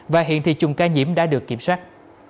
và hiện thì chùm ca nhiễm đã được kiểm soát